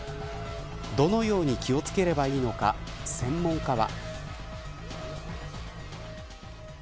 どのように気を付ければいいのか専門家は。